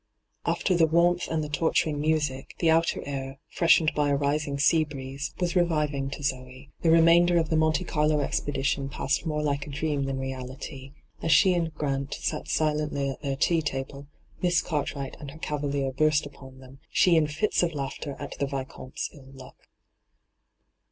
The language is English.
Ailer the warmth and the torturing music, the outer air, fi'eshened by a rising sea breeze, was reviving to Zoe. The remainder of the ENTRAPPED 213 Monte Carlo expedition passed more like a dream than reality. As she and Grant sat silently at their tea table, Miss Cartwright and her cavalier burst upon them, she in fits of laughter at the Yicomte's ill luck.